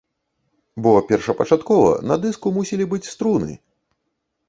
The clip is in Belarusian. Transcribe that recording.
Бо першапачаткова на дыску мусілі быць струны!